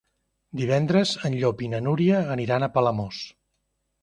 Divendres en Llop i na Núria aniran a Palamós.